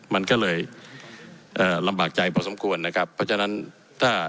มันก็เลยเอ่อลำบากใจพอสมควรนะครับเพราะฉะนั้นถ้า